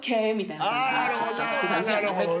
なるほどね！